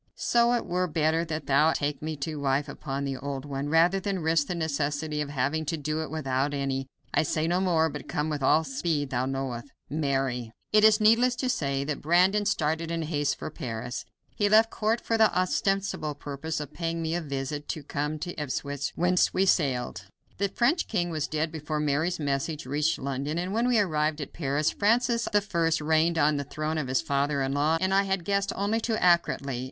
So it were better that thou take me to wife upon the old one, rather than risk the necessity of having to do it without any. I say no more, but come with all the speed thou knowest. "MARY." It is needless to say that Brandon started in haste for Paris. He left court for the ostensible purpose of paying me a visit and came to Ipswich, whence we sailed. The French king was dead before Mary's message reached London, and when we arrived at Paris, Francis I reigned on the throne of his father in law. I had guessed only too accurately.